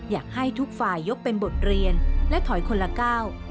อยากให้ทุกฝ่ายยกเป็นบทเรียนและถอยคนละก้าว